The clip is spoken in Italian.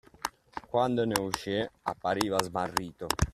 Quando ne uscì appariva smarrito.